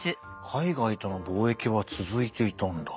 海外との貿易は続いていたんだ。